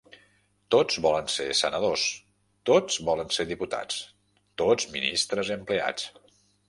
Tots volen ser senadors, tots volen ser diputats, tots ministres i empleats.